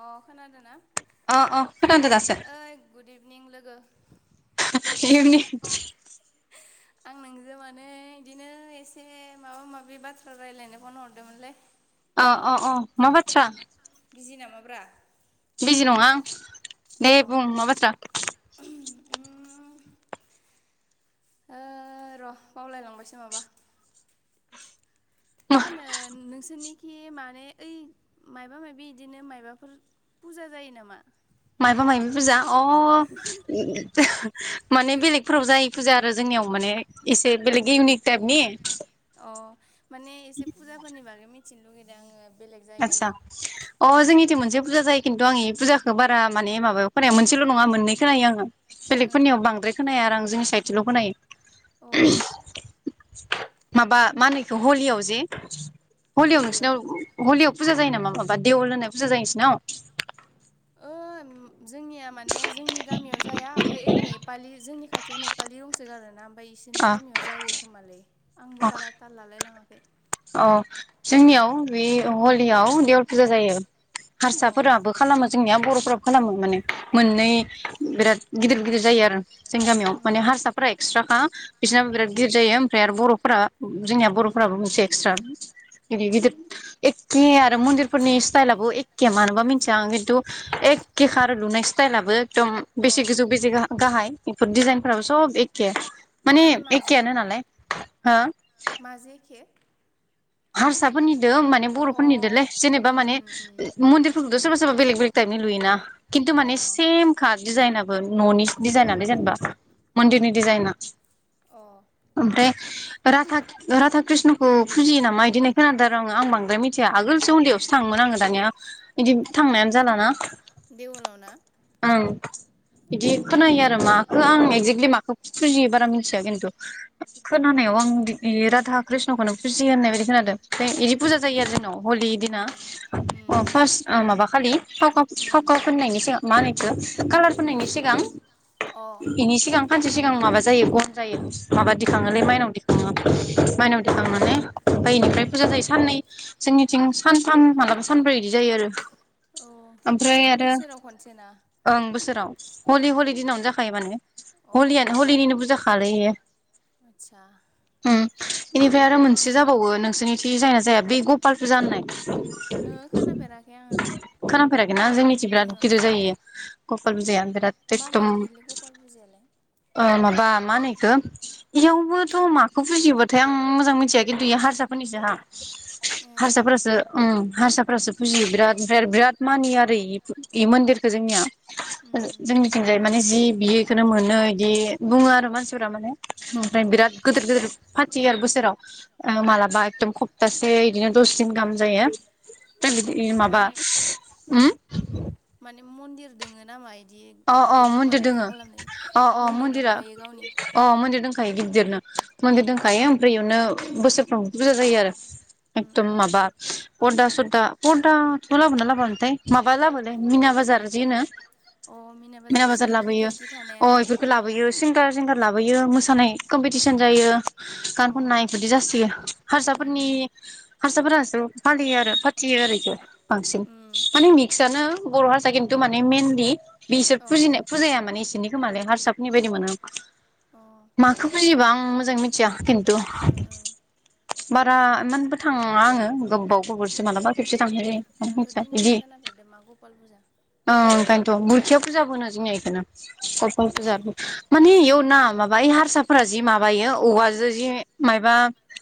अ खोनादों ना? अ अ खोनादों दासो ओइ गुद इभि निं लोगो [unintelligible] आं नोंजों माने इदिनो एसे माबा माबि बाथ्रा रायलायनो फन हरदोमोनलै अ अ अ मा बाथ्रा बिजि नामाब्रा? बिजि नङा आं नै अ बुं मा बाथ्रा उम ओ र' बावलायलांबायसो माबा मा होनो नोंसोरनि खि माने ओइ मायबा मायबि इदिनो मायबाफोर फुजा जायो नामा? मायबा माय फुजा अ माने बेलेगफोराव जायो फुजा आरो जोंनियाव माने एसे बेलेग इउनिक टाइपनि अ माने एसे फुजाफोरनि बागै मि थिनोलुगैदो आङो। बेलेग आतसा जायगानि अ जोंनिथि मोनसे फुजा जायो खिन्थु आं इ फुजाखो बारा माने माबायाव खोनाया मोनसेल' नङा मोननै खोनायो आङो ओं बेलेगफोरनियाव बांद्राय खोनाया आरो आं जोंनि साइडथिल' खोनायो। [inaudible] अ माबा मानोइखो हलियाव जे हलि आव हलियाव नोंसिनाव हलियाव फुजा जायो नामा माबा देवल होननाय फुजा जायो नोंसिनाव? ओ जोंनिया माने जोंनि गामियाव जाया ओमफाय ओइ नेपालि जोंनि खाथियाव नेपालि दंसोगारोना ओमफाय इसोरनि अ गामियाव जायो खोमालै आंबो अ बारा ताल लालाय लाङा। [inaudible] अ जोंनियाव बे हलियाव देवल फुजा जायो। अ हारसाफोराबो खालामो जोंनियाव बर'फोराबो खोलामो माने। उम मोननै बिराद गिदिर गिदिर जायो आरो जों गामियाव उम माने हारसाफोरा एक्सट्रा [inaudible] बिसनाबो अ बिराद गिदिर जायो ओमफ्राय आरो बर' फोरा जोंनिया उम बर'फोराबो मोनसे [inaudible] गिदिर उम गिदिर एखे आरो मन्दिरफोरनि स्टाइला आबो एखे मानोबा मिथिया आं खिन्थु एखे खार लुनाय स्टाइलाबो एकदम अ बेसे गोजौ बेसे गाहाय डिजाइनफोराबो सब एखे। माने एखेयानो नालाय। हो? माजै एखे हारसाफोरनि माने अ बर'फोरनिलै जेनेबा माने उम उम मन्दिरफोरखो सोरबा सोरबा बेलग बेलग तायेपनि लुयो ना। खिन्थु अ माने ओं सेमखा डिजाइनाबो न'नि डिजाइनल जेनेबा मन्दिरनि डिजाइना अ ओमफ्राय रा राधा कृष्णखौ फुजियो नामा? मा बिदिनाय खोनादों आङो आं बांद्राय मिथिया आगोलसो उन्दैयावसो थाङोमोन आङो दानिया बिदि थांनायानो जाालाना। देवलाव ना ओम इदि खोनायो आरो माखौ आं एक्जेक्टलि माखौ फुजियो बारा [unintelligible] मिथिया खिन्थु अ खोनानायाव आं राधा कृष्णखौनो फुजि होननाबायदि खोनादों। बिदि उम फुजा जायो आरो जेन हलि दिना उम उम फार्स्ट माबा खालि फावका उम फावखुवा फुननायनि सिगां मा होनो इखो कालार फोनायनि सिगां ओ बेनि सिगां सानसे सिगां माबा जायो गन जायो माबा दिखाङोलै माइनाव दिखाङो माइनाव अ दिखांनानै [unintelligible] निफ्राय उम फुजा जायो साननै जोंनिथिं सानथाम मालाबा सानब्रै बिदि जायो आरो। औ माने ओमफ्राय आरो बोसोराव खनसे ना? ओं बोसोराव हलि हलि उम दिनावनो जाखायो माने अ अ हलियानो हलिनिनो बुरजाखायालै ओ। आदसा [unintelligible] इनिफ्राय आरो मोनसे जाब [unintelligible] बावो नोंसोरनिथिं जायना जाया [unintelligible] [unintelligible] गपाल फुजा होननाय ओहो खोनाफेराखै आङो खोनफेराखैना जोंनिथिं बिराद ओहो गिदिर जायो। गपाल फुजाया होनदो। माबायदिलै गपाल फुजायालाय? [unintelligible] बा मा होनो इखौ इयावबोथ' माखौ बुजियोबाथाय आं मोजां मोनथियाखै। खिन्थु बे हारसाफोरनिसो हा ए हारसाफोरासो ओम हारसाफोरासो फुजियो बिराद ओमफ्राय आरो बिराद मानियो आरो बे मन्दिरखौ जोंनिया। उम जोंनिथिं जाय माने जि बियो इखोनो मोनो इदि बुङो आरो मानसिफोरा माने अ उमफ्राय बिराद गोदोर गोदोर फाथि आरो [unintelligible] [unintelligible] ओ उम मालाबा एकदम खपप्तासे इदिनो दस दिन गाहाम जायो। दा बिदि उम माबा माने उम दोङोना [unintelligible] अ अ मन्दिर दोङो अ अ मन्दिर मन्दिरा दंखायो गावनि अ मन्दिर [unintelligible] [unintelligible] गिदिरनो अ मोनदिर दंखायो ओमफ्राय इयावनो बोसोरफ्राव बुरजा जायो आरो उम एखदम उम माबा परदा सदा परदाथ' लाबोना लाबोआमोनथाय माबा लाबोलोय मिना बाजार जि होनो अ मिना बाजार सोरखि लाबोयो थोरखि अ थानायाना इफोरखो लाबोयो सिंगार सिंगार लाबोयो मोसानाय कम्पिटिसन जायो। अ गान खननाय इफोरदि जासोयो उम हारसाफोरनि उम हारसाफोरासो फालियो आरो फाथियो आरो इखो बांसिन उम माने मिक्सआनो बर' हारसा किन्थु माने मेएनलि बिसोर अ फुजिनाय फुजाया माने इसोरनि खोमालाय हारसाफोरनि बायदि मोनो आं। ओं माखो फुजिबां उम मोजां मिथिया। किन्तु ओं बारा एमानबो थाङा आङो गोब्बाव गोब हरसे मालाबा खेबसे अ थांनाय जायो [unintelligible] आंथ' मिथिया दिनैसो इदि खोनाफेरदों मा गपाल फुजा ओ ओंखायनोथ' गुरखिया फुजाबो होनो जोंनिया इखोनो गपाल ए फुजा हो माने इयाव उम ना माबा इ हारसाफोरा जि माबायो औवाजो जि माइबा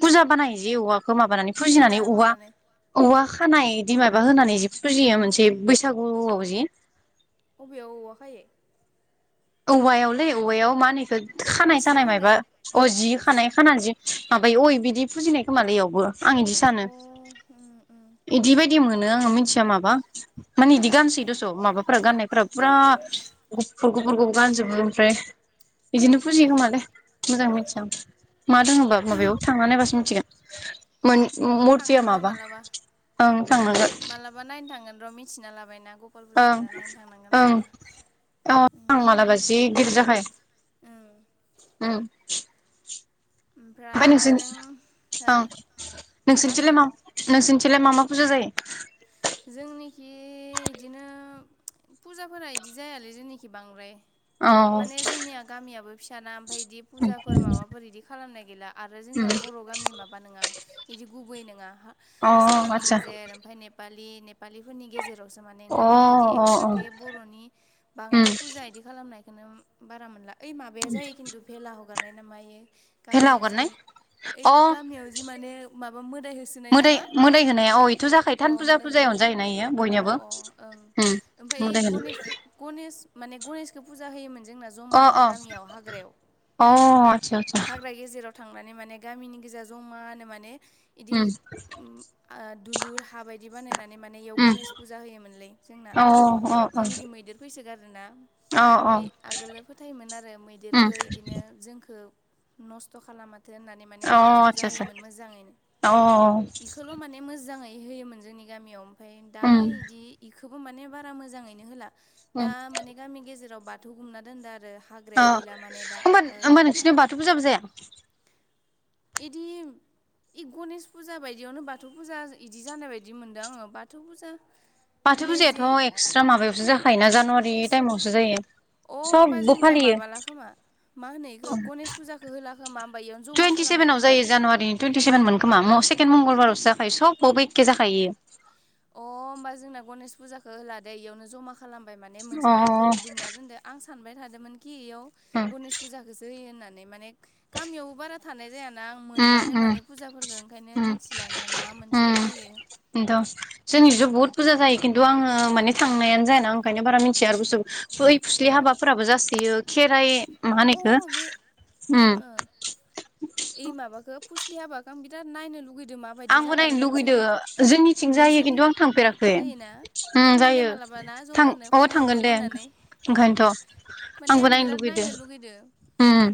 पुजा बानायो जि औवा खो माबानानै फुजिनानै भेला औवा माबानाय औवा खानाय इदि माबा होनानै जि फुजियो मोनसे बैसागुआव जि बबेयाव औवा खायो? औवायावलै औवायाव मा होनो इखो खानाय सानाय माबा अ जि खानाय खानानै जि माब बेयो अ बिदि फुजिनाय खोमालै इयावबो। आं इदि सानो अ उम उम इदि बायदिमोन नो आङो मिथिया माबा? मानो इदि गानसै उम दस' माबाफोरा गाननायफोराबो। फुरा गुफुर गुफ [unintelligible] बो गानजोबो ओमफ्राय। इदिनो फुजियो ए खोमालै मोजां उम मिथिआं मा दोङबा माबायाव थांना नायबासो मिथिगोन। मानि मुरथिया थांगोन र' माबा मालाबा ओं थांनांगोन। मालाबा नायनो थांगोन र' मिथिना लाबाय ना। ओं ओं औ थां उम मालाबा जि गिदिर जाखायो। उम उम ओमफाय ओमफ्राय नोंसिनि नों हो ओं नोंसनिथिलाय मा नोंसोरनिथिलाय मा मा फुजा जायो? जोंनिखि इदिनो पुजाफोरा इदि जायालै जोंनिखि बांद्राय। अ माने जोंनिया गामियाबो फिसाना ओमफाय इदि पुजाफोर माबाफोर इदि खालामनाय गैला आरो उम जोंनिया बर' गामि माबा नोङा इदि गुबै नोङा अ हारसा गामि आतसा गेजेर ओमफाय ने [unintelligible] पालिफोरनि गेजेरावसो माने अ ओंखायनो इदि अ अ एक्सट्राके बर'नि उम बांद्राय पुजा इदि खालामनाय खौनो बारा मोनला। ओइ माबाया जायो खिन्दु फेला ह हगारनाय ना मायो। भेला गामियाव जि हगारनाय ओइ अ गामियाव जि माने माबा मोदाय होसोनाय नामा अ भुटान फुजा मोदाय होनाय फुजायावनो जायोना इयो अ अ बयनाबो। ओं उम ओमफ्राय मोदाय हो गनेश [unintelligible] माने गणेशखौ फुजा होयोमोन जोंना जमा अ अ गामियाव हाग्रायाव अ आतसा आतसा हाग्रा गेजेराव थांनानै माने गामिनि गोजा जमानो माने इदि उम उम आ दुलुर हा बायदि बानायनानै माने इयाव उम गणेश फुजा होयोमोनलै जोंना। अ जोंनिखै मैदेर फै [unintelligible] ओंना अ ओमफ्राय आगोलो फोथायोमोन आरो उम मैदेरखो इदिनो जोंखो नस्थ' खालामा होननानै माने गनेश अ आतसा फुजा होयोमोन मोजाङै। अ इखोल' माने मोजाङै होयोमोन जोंनि गामियाव। ओमफ्राय दा उम इदि खोबो माने बारा मोजाङैनो होला। दा उम माने गामि गेजेराव बा थु गुमना दोनदो आरो। अ हाग्रायाव हैला माने दा होमबा ओ होमबा नोंसिना बाथौ फुजाबो जाया? इदि इ गणेश फुजा बायदियावनो बाथौ फुजा इदि जानाय बायदि मोनदों आङो बाथौ फुजा बाथौ माने फुजायाथ' जि एक्सट्रा माबायावसो जाखायोना जानुवारि एक्स टाइमावसो जायो। अ होमबा सबबो जोंनिया फालियो माबाला खोमा मा होनो इखो गणेश फुजाखौ हो ला‌ खोमा। इयावनो जमा टुइनटि खालामबाय सेभेनाव खोमा जायो जानुवारिनि टुइन्टिसेभेन मोन खोमा सेेखेण्ड मंगलाराव। जाखायो सबबावबो एखे जाखायो। अ होमबा जोंना गनेश फुजाखौ होलादे इयावनो जमा खालामबाय माने मोनसे अ बाथौ गु दुमना दोनदो आं सानबाय थादोमोन खि इयाव उम गणेश फुजाखोसो होयो होननानै माने गामियावबो बारा थानाय जाया ना मोनलानो उम उम माने फुजाफोरखौ ओंखायनो उम मिथिलानो मा मोनसेखौ होयो। जोंनिजो बुहुत बुरजा जायो किन्थु आङो माने थांनायानो जायाना ओंखायनो बारा मिथिया आरो बुस्टुखो सय अ फुस्लि हाबाफोराबो जासोयो। खेराइ मा होनो अ इखो बे उम फुसलि हाबाखो आं बिराद नायनो लुगैदो। आंबो नायनो लुगैदो जोंनिथिं जायो नोंसोरनि खिन्थु आं थांफेराखै। जायोना ओम थांगोन दे जायो मालाबा ना थां जमानो अ फन थांगोन दे हरलायलायनानै अ ओंखायनोथ' माने आंबो आं नायनो बिराद लुबैदो। लुगैदो उम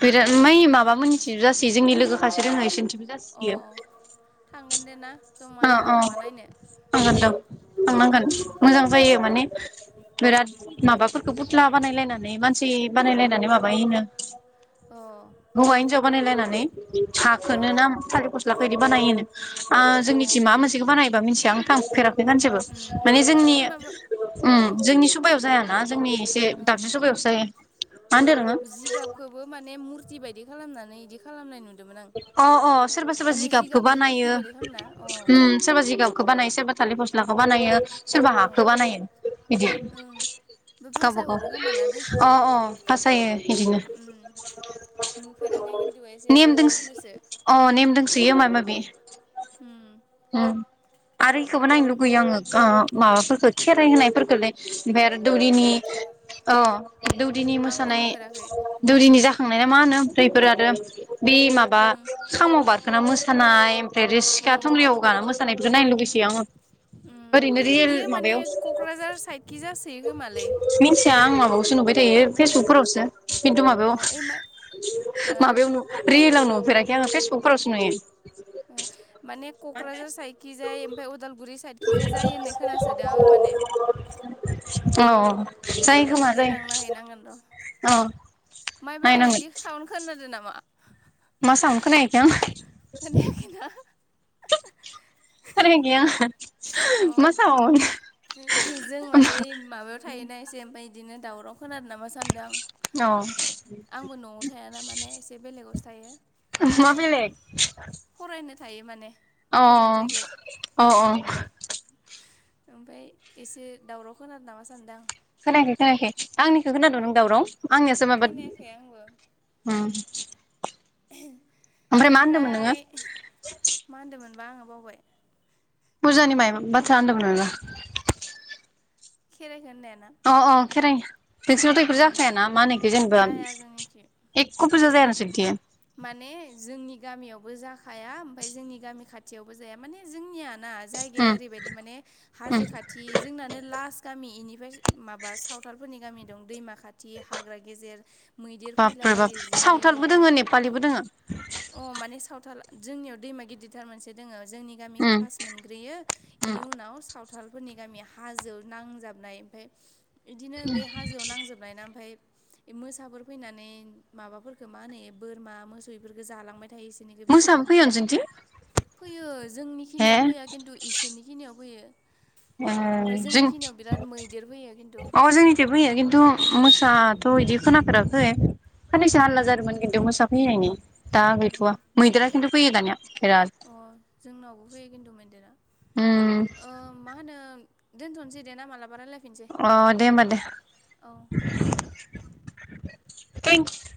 बिराद मैइ माबा मोननि जासे जोंनि लोगो खासे दोङो इसोरनिथिंबो‌ जाहोयो। अ थांगोन दे ना ओ जमानो ओ मालाबा नायनो थांगोन दे उम थांनांगोन मोजां जायो माने बिराद माबाफोरखौ फुथ्ला बानायलायनानै मानसि बानायलायनानै माबायोनो। अ हौवा हिनजाव बानायलायनानै साखोनो ओं ना थालिर फस्लाखौ इदि बानायोनो अ जोंनिथिं माबा मोनसेखौ बानायबा मिथिया आं थांफेराखै सानसेबो उम उम माने जोंनि ओइ माबा अ ओम जोंनि सबायाव जायाना जोंनि एसे ओं दाबसे सभायावसो जाया मा होनदों नोङो? जिगाबखौबो माने मुरथि बायदि खालामनानै बिदि खालामनाय नुदों। अ अ सोरबा सोरबा जिगाबखौ मुरथि बानायो बायदि खालामना अ ओम सोरबा जिगाबखौ बानायो सोरबा थालिर फस्ला [unintelligible] बानायो। सोरबा अ हाखौ बानायो बिदि ओं बे गावबा भासाय हरो गाव खोमा ना अ दैखिजाय अ बासायो बिदिनो उम नुफेराखै खिन्थु एसे एसे नेम दोंसो खोनादोसो [unintelligible] अ नेम दंसोयो माबा माबि ओम ओम आरो इखौबो नायनो लुगैयो आङो माबाफोरखौ खेराइ होनायफोरखोलै ओमफ्राय आरो दौरिनि इखोथ' अ दौदिनि आंबो मोसानाय नुफेराखै दौरिनि जाखांनाया मा होनो ओमफ्राय बेफोरो आरो बे माबा उम खामाव बारखोना मोस खानाय उम [unintelligible] थुंग्रियाव गाना मोसानाय बेखौ नायनो लुुबैसयो आङो। उम इयो माने क'क्राझार साइडखि जासोयो खोमालै [unintelligible] थायो माने फेसबुक फोरावसो खिन्थु माबायाव अ ओइ मा हो माबायाव रियेलाव नुफेराखै। बेहा आं फेसबुकफोरावसो नुयो। [unintelligible] माने क'क्राझार साइडखि जाय ओमफ्राय उदालगुरि साइडखिजाय जायो होन्नाय खोनासोदो आङो माने अ अ जायो मालाबा खोमा देनां जायो। नायहैनांगोन र' औ। मायबा इदि साउनद खोनादों नामा? मा साउनखौनायो? खोनायाखैना। अ [unintelligible] म साउन? जों माने माबायाव थायोना एसे ओमफ्राय बिदिनो दावराव खोनादों नामा? सानदां। अ [unintelligible] [unintelligible] मा बेलेग? फरायनो थायो माने। गोजान जायगायाव [unintelligible] ओमफफ्राय एसे दावराव खोनादों नामा सानदों आं। [unintelligible] आंनि खौ खोनादों अ नों दाउराउ? खोनायाखै आंबो नोङो ओमफ्राय मा मोनदोंमोन बा आंओ?? बावबाय। बुरजानि माइ बाथ्रा होनदों मोन नोंओ। खेराइ। अ अ खेराइ। नोंसोरावथ' बेखौथ' औ जाखायाना? मा होनो? बेखोउ जेनेबा। जाया जोंनिखि एकको‌ पूजा जाया नोंसोरनि थिं? माने जोंनि गाम गामियावबो जाखाया, ओमफ्राय जोंनि गामि खाथियावबो जाया माने जोंनियानो ना जायगाया उम ओरैबादि माने, उम हाजो खाथि जोंनानो लास गामि इनि फ्राय माबा सावथालफोरनि गामि दं दैमा खाथि हाग्रा गेजेर। मैदेर फैलाबायो जि बो दोङो? अ माने सावथाल जोंनियाव दैमा गिदिरथार मोनसे दोङो। जोंनि गामिखौ उम फास्ट मोनग्रोयो। उम इनि उनाव सावथालफोरनि गामिया। हाजो नांजाबनाय ओमफाय। इदिनो बे हाजोआव नांजोबनाय ना ओमफाय। मोसाफोर फैनानै माबाफोरखो मा होनोयो? बोरमा मोसौ इफोरखो जालांबाय। थाय इसोरनिखो बिसोरा मोसाबो फैयो नोंसोरनिथिं फैयो जोंनि खिनियाव फैया खिन्थु इसोरनि खिनियाव फैयो। ओ ओमफ्राय जों जोंनि खिनियाव बिराद मैदेर फैयो खिन्थु जोंनिथिं फैयो खिनथु मो साहाथ' इदि खोनाफेराखै। उम खाननैसो हालला जादोंमोन खिन्थु मोसाफैनायनि दा गैथ'वा मैदेरा खिन्थु फैयो दानिया। बिराद अ जोंनावबो फैयो खिन्दु मैदेरा। उम ओ मा होनो? दोनथ'नोसै दे मालाबा रायलाय अ दे होमबा दे [inaudible]